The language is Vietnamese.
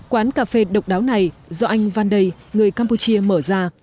quán cà phê độc đáo này do anh vandei người campuchia mở ra